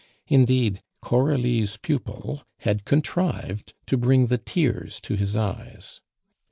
Indeed, Coralie's pupil had contrived to bring the tears to his eyes.